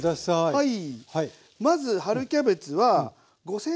はい。